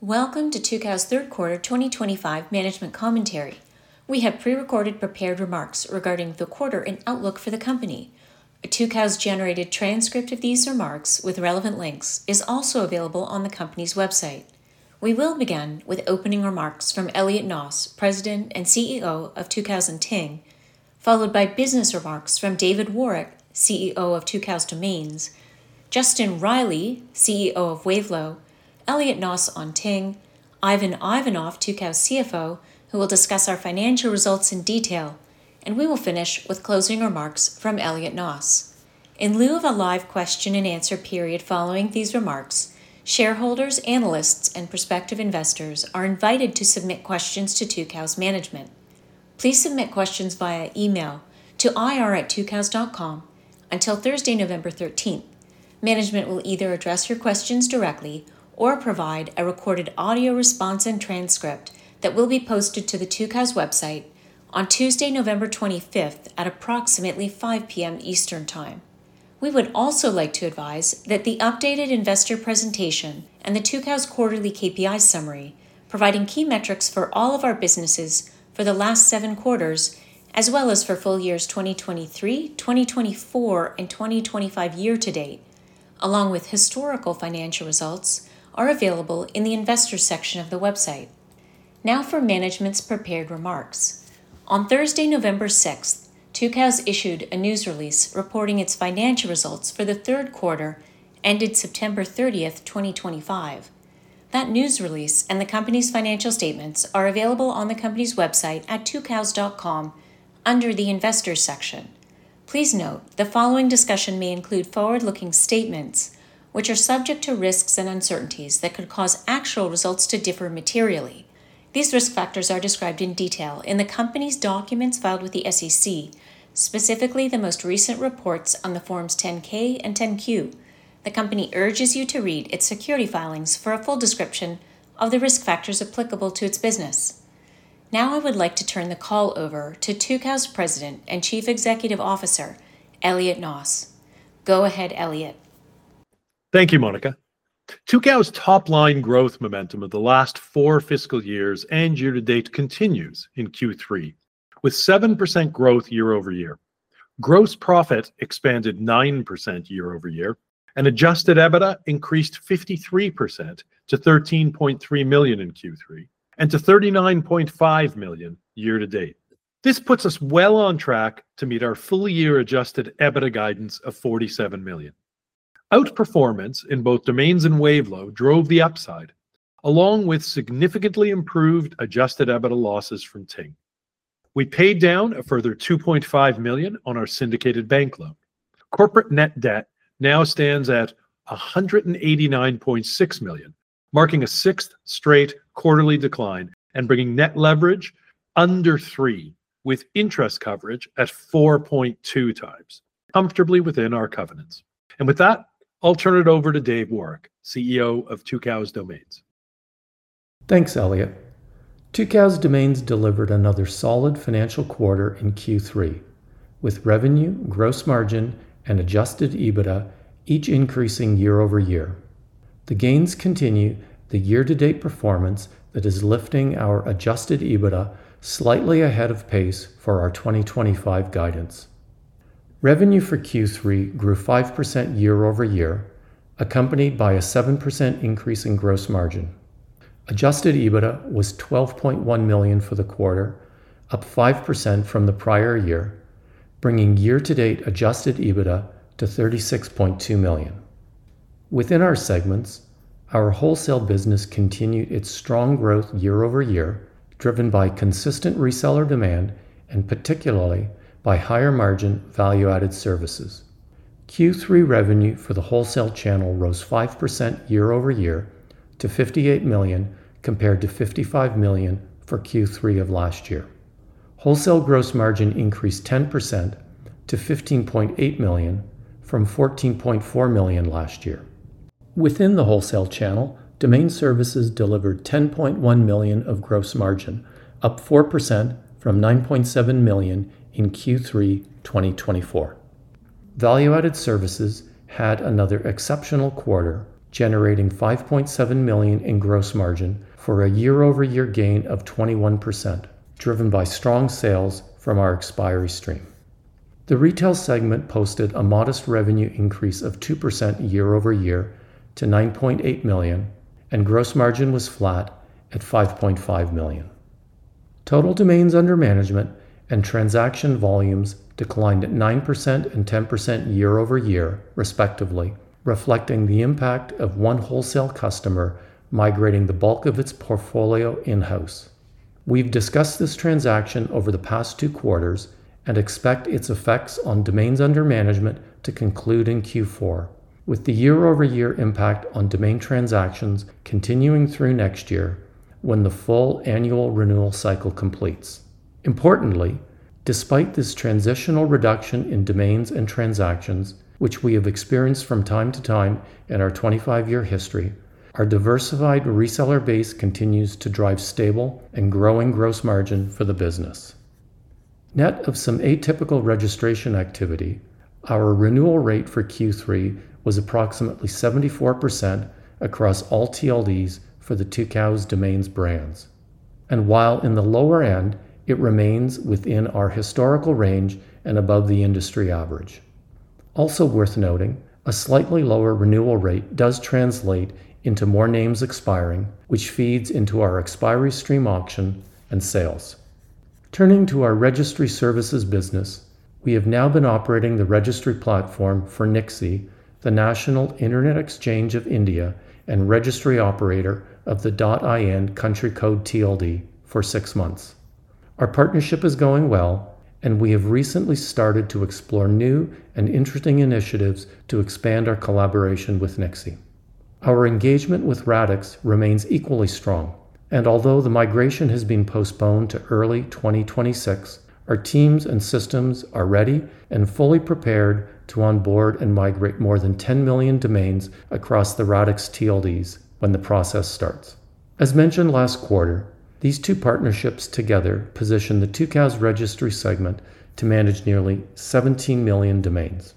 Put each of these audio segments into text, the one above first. Welcome to Tucows third quarter 2025 management commentary. We have pre-recorded prepared remarks regarding the quarter and outlook for the company. A Tucows-generated transcript of these remarks, with relevant links, is also available on the company's website. We will begin with opening remarks from Elliot Noss, President and CEO of Tucows on Ting, followed by business remarks from David Woroch, CEO of Tucows Domains, Justin Reilly, CEO of Wavelo, Elliot Noss on Ting, Ivan Ivanov, Tucows CFO, who will discuss our financial results in detail, and we will finish with closing remarks from Elliot Noss. In lieu of a live question-and-answer period following these remarks, shareholders, analysts, and prospective investors are invited to submit questions to Tucows Management. Please submit questions via email to ir@tucows.com until Thursday, November 13th. Management will either address your questions directly or provide a recorded audio response and transcript that will be posted to the Tucows website on Tuesday, November 25th, at approximately 5:00 P.M. Eastern Time. We would also like to advise that the updated investor presentation and the Tucows Quarterly KPI Summary, providing key metrics for all of our businesses for the last seven quarters, as well as for full years 2023, 2024, and 2025 year-to-date, along with historical financial results, are available in the investor section of the website. Now for management's prepared remarks. On Thursday, November 6, Tucows issued a news release reporting its financial results for the third quarter ended September 30, 2025. That news release and the company's financial statements are available on the company's website at tucows.com under the investor section. Please note the following discussion may include forward-looking statements, which are subject to risks and uncertainties that could cause actual results to differ materially. These risk factors are described in detail in the company's documents filed with the SEC, specifically the most recent reports on the Forms 10-K and 10-Q. The company urges you to read its security filings for a full description of the risk factors applicable to its business. Now I would like to turn the call over to Tucows President and Chief Executive Officer, Elliot Noss. Go ahead, Elliot. Thank you, Monica. Tucows' top-line growth momentum of the last four fiscal years and year-to-date continues in Q3, with 7% growth year-over-year. Gross profit expanded 9% year-over-year, and adjusted EBITDA increased 53% to $13.3 million in Q3 and to $39.5 million year-to-date. This puts us well on track to meet our full-year adjusted EBITDA guidance of $47 million. Outperformance in both Domains and Wavelo drove the upside, along with significantly improved adjusted EBITDA losses from Ting. We paid down a further $2.5 million on our syndicated bank loan. Corporate net debt now stands at $189.6 million, marking a sixth straight quarterly decline and bringing net leverage under three, with interest coverage at 4.2x. Comfortably within our covenants. With that, I'll turn it over to David Woroch, CEO of Tucows Domains. Thanks, Elliot. Tucows Domains delivered another solid financial quarter in Q3, with revenue, gross margin, and adjusted EBITDA each increasing year-over-year. The gains continue the year-to-date performance that is lifting our adjusted EBITDA slightly ahead of pace for our 2025 guidance. Revenue for Q3 grew 5% year-over-year, accompanied by a 7% increase in gross margin. Adjusted EBITDA was $12.1 million for the quarter, up 5% from the prior year, bringing year-to-date adjusted EBITDA to $36.2 million. Within our segments, our wholesale business continued its strong growth year-over-year, driven by consistent reseller demand and particularly by higher-margin value-added services. Q3 revenue for the wholesale channel rose 5% year-over-year to $58 million compared to $55 million for Q3 of last year. Wholesale gross margin increased 10% to $15.8 million from $14.4 million last year. Within the wholesale channel, Domain Services delivered $10.1 million of gross margin, up 4% from $9.7 million in Q3 2024. Value-Added Services had another exceptional quarter, generating $5.7 million in gross margin for a year-over-year gain of 21%, driven by strong sales from our Expiry Stream. The retail segment posted a modest revenue increase of 2% year-over-year to $9.8 million, and gross margin was flat at $5.5 million. Total domains under management and transaction volumes declined at 9% and 10% year-over-year, respectively, reflecting the impact of one wholesale customer migrating the bulk of its portfolio in-house. We've discussed this transaction over the past two quarters and expect its effects on domains under management to conclude in Q4, with the year-over-year impact on domain transactions continuing through next year when the full annual renewal cycle completes. Importantly, despite this transitional reduction in Domains and transactions, which we have experienced from time to time in our 25-year history, our diversified reseller base continues to drive stable and growing gross margin for the business. Net of some atypical registration activity, our renewal rate for Q3 was approximately 74% across all TLDs for the Tucows Domains brands, and while in the lower end, it remains within our historical range and above the industry average. Also worth noting, a slightly lower renewal rate does translate into more names expiring, which feeds into our Expiry Stream auction and sales. Turning to our registry services business, we have now been operating the registry platform for NIXI, the National Internet Exchange of India, and registry operator of the .in country code TLD for six months. Our partnership is going well, and we have recently started to explore new and interesting initiatives to expand our collaboration with NIXI. Our engagement with Radix remains equally strong, and although the migration has been postponed to early 2026, our teams and systems are ready and fully prepared to onboard and migrate more than 10 million domains across the Radix TLDs when the process starts. As mentioned last quarter, these two partnerships together position the Tucows registry segment to manage nearly 17 million domains.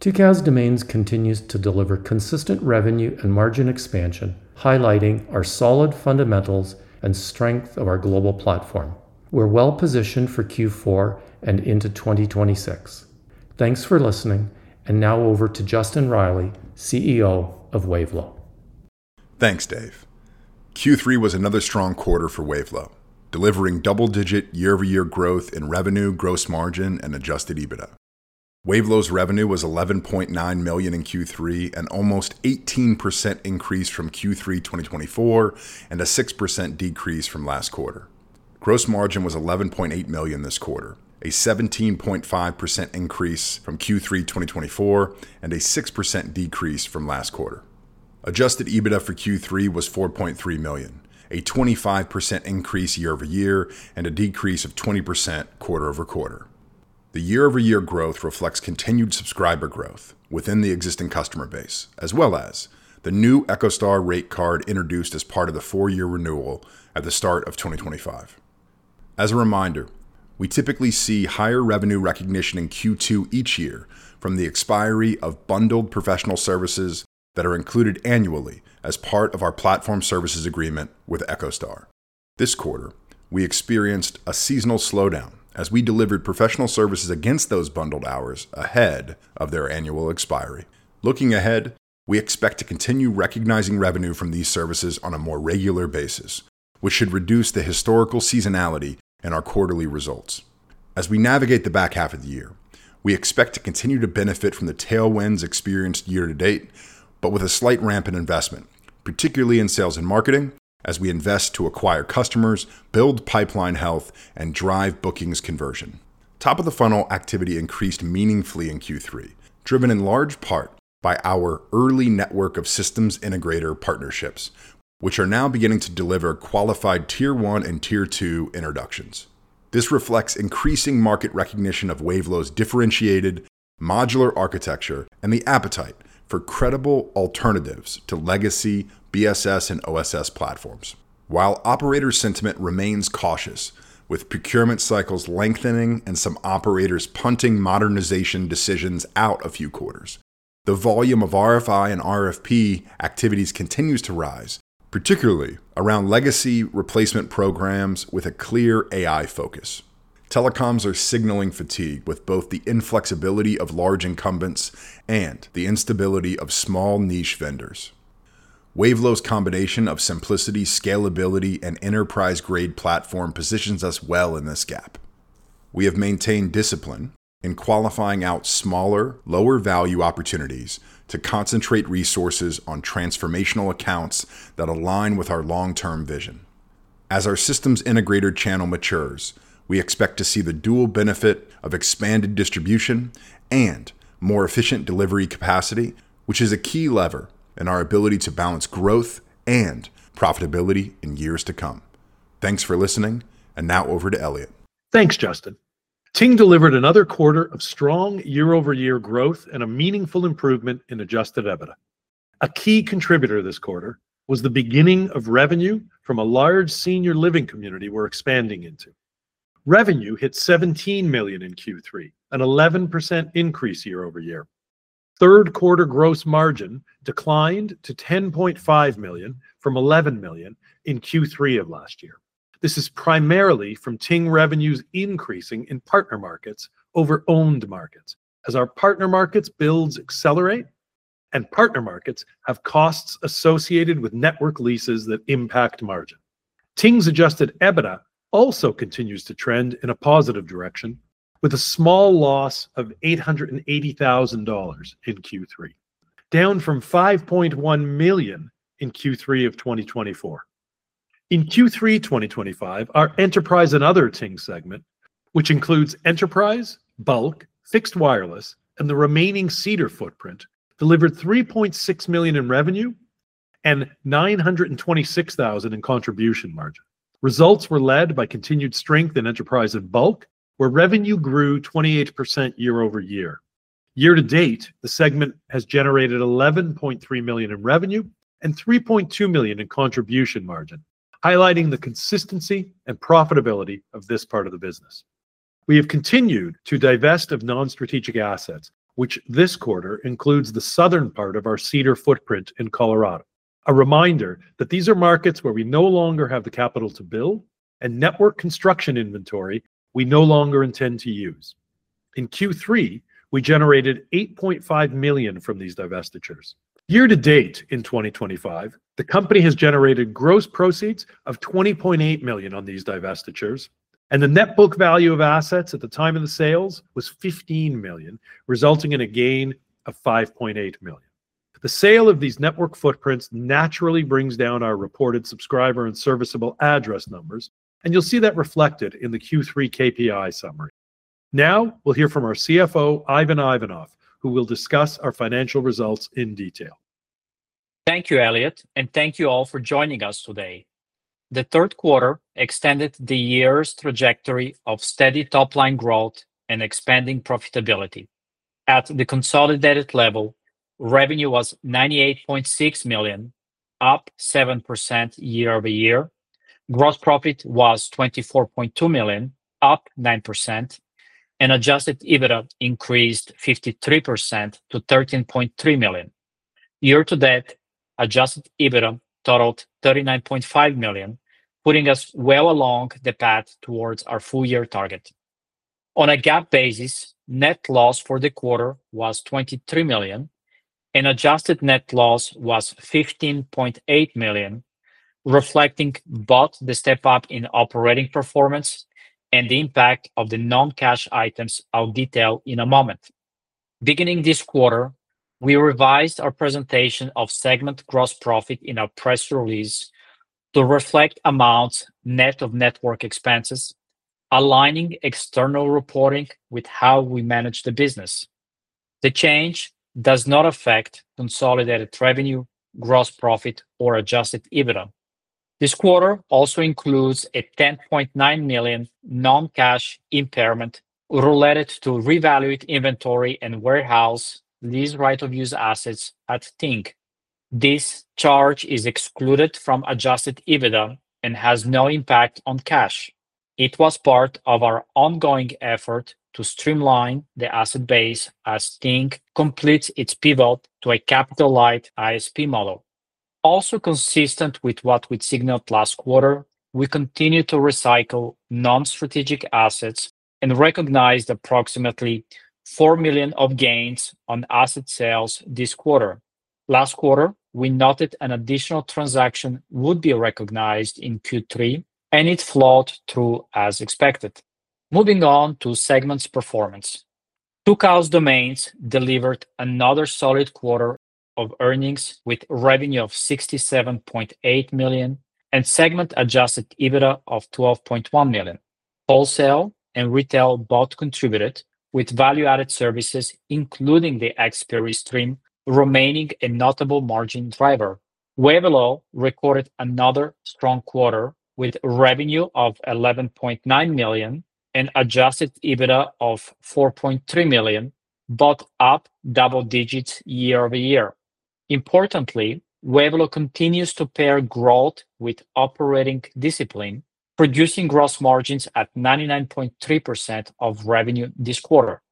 Tucows Domains continues to deliver consistent revenue and margin expansion, highlighting our solid fundamentals and strength of our global platform. We're well positioned for Q4 and into 2026. Thanks for listening, and now over to Justin Reilly, CEO of Wavelo. Thanks, Dave. Q3 was another strong quarter for Wavelo, delivering double-digit year-over-year growth in revenue, gross margin, and adjusted EBITDA. Wavelo's revenue was $11.9 million in Q3, an almost 18% increase from Q3 2024 and a 6% decrease from last quarter. Gross margin was $11.8 million this quarter, a 17.5% increase from Q3 2024, and a 6% decrease from last quarter. Adjusted EBITDA for Q3 was $4.3 million, a 25% increase year-over-year, and a decrease of 20% quarter-over-quarter. The year-over-year growth reflects continued subscriber growth within the existing customer base, as well as the new EchoStar rate card introduced as part of the four-year renewal at the start of 2025. As a reminder, we typically see higher revenue recognition in Q2 each year from the expiry of bundled professional services that are included annually as part of our platform services agreement with EchoStar. This quarter, we experienced a seasonal slowdown as we delivered professional services against those bundled hours ahead of their annual expiry. Looking ahead, we expect to continue recognizing revenue from these services on a more regular basis, which should reduce the historical seasonality in our quarterly results. As we navigate the back half of the year, we expect to continue to benefit from the tailwinds experienced year-to-date, but with a slight ramp in investment, particularly in sales and marketing, as we invest to acquire customers, build pipeline health, and drive bookings conversion. Top-of-the-funnel activity increased meaningfully in Q3, driven in large part by our early network of systems integrator partnerships, which are now beginning to deliver qualified Tier 1 and Tier 2 introductions. This reflects increasing market recognition of Wavelo's differentiated modular architecture and the appetite for credible alternatives to legacy BSS and OSS platforms. While operator sentiment remains cautious, with procurement cycles lengthening and some operators punting modernization decisions out a few quarters, the volume of RFI and RFP activities continues to rise, particularly around legacy replacement programs with a clear AI focus. Telecoms are signaling fatigue with both the inflexibility of large incumbents and the instability of small niche vendors. Wavelo's combination of simplicity, scalability, and enterprise-grade platform positions us well in this gap. We have maintained discipline in qualifying out smaller, lower-value opportunities to concentrate resources on transformational accounts that align with our long-term vision. As our systems integrator channel matures, we expect to see the dual benefit of expanded distribution and more efficient delivery capacity, which is a key lever in our ability to balance growth and profitability in years to come. Thanks for listening, and now over to Elliot. Thanks, Justin. Ting delivered another quarter of strong year-over-year growth and a meaningful improvement in adjusted EBITDA. A key contributor this quarter was the beginning of revenue from a large senior living community we're expanding into. Revenue hit $17 million in Q3, an 11% increase year-over-year. Third-quarter gross margin declined to $10.5 million from $11 million in Q3 of last year. This is primarily from Ting revenues increasing in partner markets over owned markets, as our partner markets' builds accelerate and partner markets have costs associated with network leases that impact margin. Ting's adjusted EBITDA also continues to trend in a positive direction, with a small loss of $880,000 in Q3, down from $5.1 million in Q3 of 2024. In Q3 2025, our enterprise and other Ting segment, which includes enterprise, bulk, fixed wireless, and the remaining Cedar footprint, delivered $3.6 million in revenue and $926,000 in contribution margin. Results were led by continued strength in enterprise and bulk, where revenue grew 28% year-over-year. Year-to-date, the segment has generated $11.3 million in revenue and $3.2 million in contribution margin, highlighting the consistency and profitability of this part of the business. We have continued to divest of non-strategic assets, which this quarter includes the southern part of our cedar footprint in Colorado. A reminder that these are markets where we no longer have the capital to build and network construction inventory we no longer intend to use. In Q3, we generated $8.5 million from these divestitures. Year-to-date in 2025, the company has generated gross proceeds of $20.8 million on these divestitures, and the net book value of assets at the time of the sales was $15 million, resulting in a gain of $5.8 million. The sale of these network footprints naturally brings down our reported subscriber and serviceable address numbers, and you'll see that reflected in the Q3 KPI summary. Now we'll hear from our CFO, Ivan Ivanov, who will discuss our financial results in detail. Thank you, Elliot, and thank you all for joining us today. The third quarter extended the year's trajectory of steady top-line growth and expanding profitability. At the consolidated level, revenue was $98.6 million, up 7% year-over-year. Gross profit was $24.2 million, up 9%, and adjusted EBITDA increased 53% to $13.3 million. Year-to-date, adjusted EBITDA totaled $39.5 million, putting us well along the path towards our full-year target. On a GAAP basis, net loss for the quarter was $23 million, and adjusted net loss was $15.8 million, reflecting both the step-up in operating performance and the impact of the non-cash items I'll detail in a moment. Beginning this quarter, we revised our presentation of segment gross profit in our press release to reflect amounts net of network expenses, aligning external reporting with how we manage the business. The change does not affect consolidated revenue, gross profit, or adjusted EBITDA. This quarter also includes a $10.9 million non-cash impairment related to revalued inventory and warehouse lease right-of-use assets at Ting. This charge is excluded from adjusted EBITDA and has no impact on cash. It was part of our ongoing effort to streamline the asset base as Ting completes its pivot to a capital-light ISP model. Also consistent with what we'd signaled last quarter, we continue to recycle non-strategic assets and recognize approximately $4 million of gains on asset sales this quarter. Last quarter, we noted an additional transaction would be recognized in Q3, and it flowed through as expected. Moving on to segments performance, Tucows Domains delivered another solid quarter of earnings with revenue of $67.8 million and segment-adjusted EBITDA of $12.1 million. Wholesale and retail both contributed with value-added services, including the Expiry Stream, remaining a notable margin driver. Wavelo recorded another strong quarter with revenue of $11.9 million and adjusted EBITDA of $4.3 million, both up double digits year-over-year. Importantly, Wavelo continues to pair growth with operating discipline, producing gross margins at 99.3% of revenue this quarter.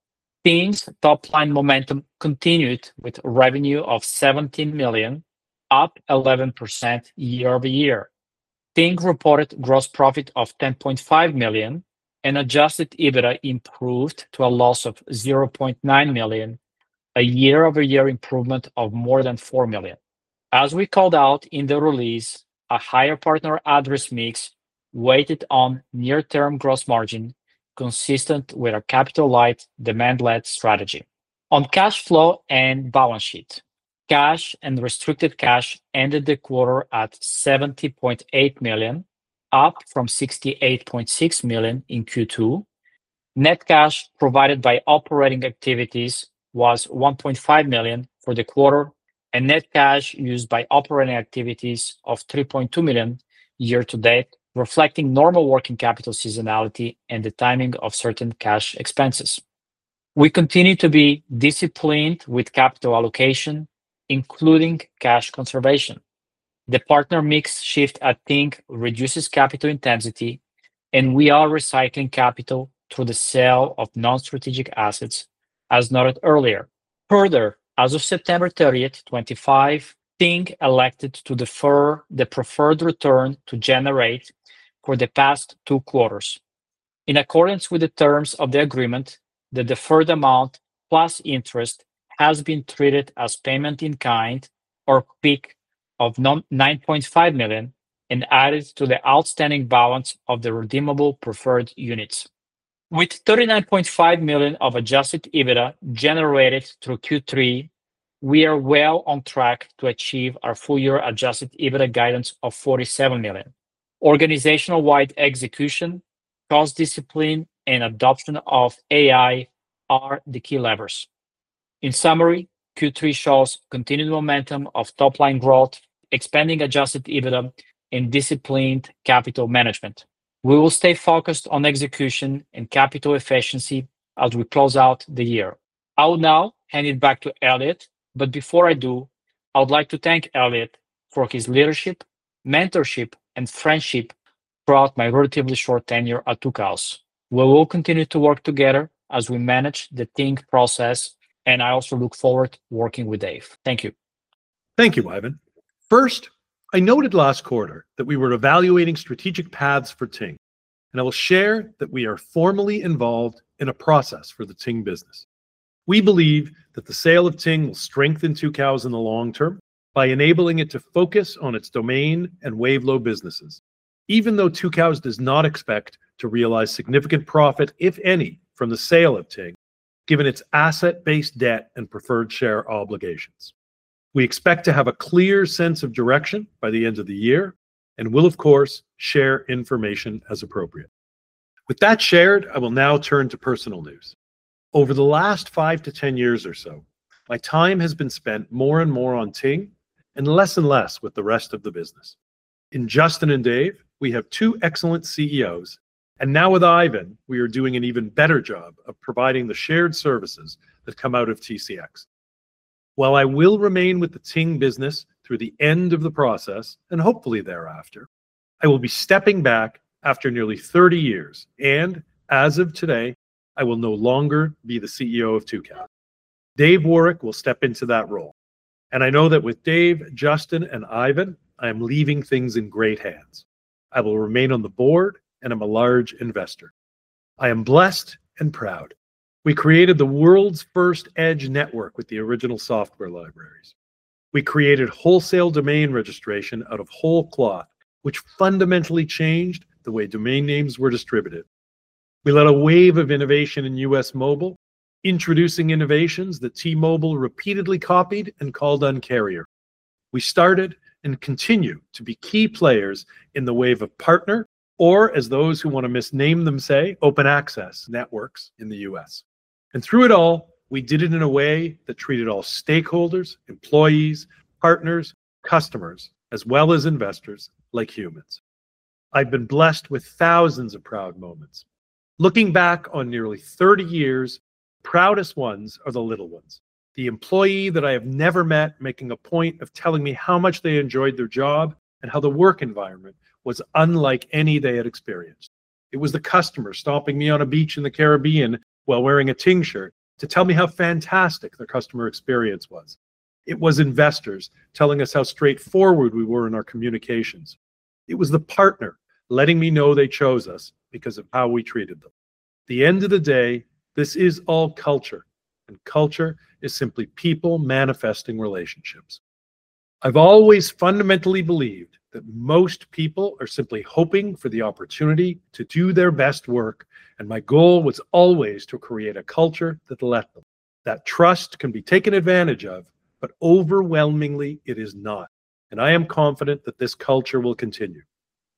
Ting's top-line momentum continued with revenue of $17 million, up 11% year-over-year. Ting reported gross profit of $10.5 million, and adjusted EBITDA improved to a loss of $0.9 million, a year-over-year improvement of more than $4 million. As we called out in the release, a higher partner address mix weighted on near-term gross margin consistent with a capital-light demand-led strategy. On cash flow and balance sheet, cash and restricted cash ended the quarter at $70.8 million, up from $68.6 million in Q2. Net cash provided by operating activities was $1.5 million for the quarter, and net cash used by operating activities of $3.2 million year-to-date, reflecting normal working capital seasonality and the timing of certain cash expenses. We continue to be disciplined with capital allocation, including cash conservation. The partner mix shift at Ting reduces capital intensity, and we are recycling capital through the sale of non-strategic assets, as noted earlier. Further, as of September 30, 2025, Ting elected to defer the preferred return to generate for the past two quarters. In accordance with the terms of the agreement, the deferred amount plus interest has been treated as payment in kind or PIK of $9.5 million and added to the outstanding balance of the redeemable preferred units. With $39.5 million of adjusted EBITDA generated through Q3, we are well on track to achieve our full-year adjusted EBITDA guidance of $47 million. Organizational-wide execution, cost discipline, and adoption of AI are the key levers. In summary, Q3 shows continued momentum of top-line growth, expanding adjusted EBITDA, and disciplined capital management. We will stay focused on execution and capital efficiency as we close out the year. I will now hand it back to Elliot, but before I do, I would like to thank Elliot for his leadership, mentorship, and friendship throughout my relatively short tenure at Tucows. We will continue to work together as we manage the Ting process, and I also look forward to working with Dave. Thank you. Thank you, Ivan. First, I noted last quarter that we were evaluating strategic paths for Ting, and I will share that we are formally involved in a process for the Ting business. We believe that the sale of Ting will strengthen Tucows in the long term by enabling it to focus on its domain and Wavelo businesses, even though Tucows does not expect to realize significant profit, if any, from the sale of Ting, given its asset-based debt and preferred share obligations. We expect to have a clear sense of direction by the end of the year and will, of course, share information as appropriate. With that shared, I will now turn to personal news. Over the last five to ten years or so, my time has been spent more and more on Ting and less and less with the rest of the business. In Justin and Dave, we have two excellent CEOs, and now with Ivan, we are doing an even better job of providing the shared services that come out of TCX. While I will remain with the Ting business through the end of the process and hopefully thereafter, I will be stepping back after nearly 30 years, and as of today, I will no longer be the CEO of Tucows. Dave Warrick will step into that role, and I know that with Dave, Justin, and Ivan, I am leaving things in great hands. I will remain on the board, and I'm a large investor. I am blessed and proud. We created the world's first edge network with the original software libraries. We created wholesale domain registration out of whole cloth, which fundamentally changed the way domain names were distributed. We led a wave of innovation in US Mobile, introducing innovations that T-Mobile repeatedly copied and called on carrier. We started and continue to be key players in the wave of partner, or as those who want to misname them say, open access networks in the US. Through it all, we did it in a way that treated all stakeholders, employees, partners, customers, as well as investors like humans. I've been blessed with thousands of proud moments. Looking back on nearly 30 years, the proudest ones are the little ones. The employee that I have never met making a point of telling me how much they enjoyed their job and how the work environment was unlike any they had experienced. It was the customer stopping me on a beach in the Caribbean while wearing a Ting shirt to tell me how fantastic their customer experience was. It was investors telling us how straightforward we were in our communications. It was the partner letting me know they chose us because of how we treated them. At the end of the day, this is all culture, and culture is simply people manifesting relationships. I've always fundamentally believed that most people are simply hoping for the opportunity to do their best work, and my goal was always to create a culture that lets them. That trust can be taken advantage of, but overwhelmingly it is not, and I am confident that this culture will continue.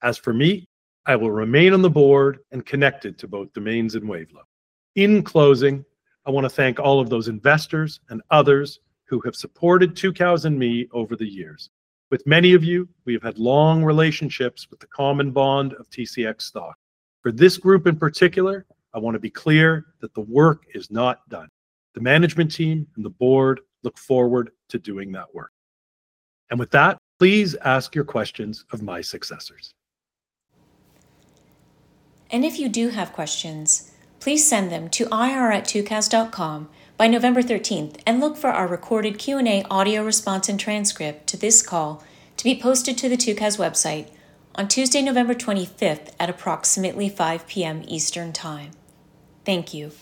As for me, I will remain on the board and connected to both Domains and Wavelo. In closing, I want to thank all of those investors and others who have supported Tucows and me over the years. With many of you, we have had long relationships with the common bond of TCX stock. For this group in particular, I want to be clear that the work is not done. The management team and the board look forward to doing that work. With that, please ask your questions of my successors. If you do have questions, please send them to ir@tucows.com by November 13 and look for our recorded Q&A audio response and transcript to this call to be posted to the Tucows website on Tuesday, November 25 at approximately 5:00 P.M. Eastern Time. Thank you.